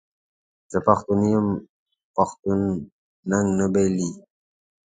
زه پښتون یم پښتون ننګ نه بایلي.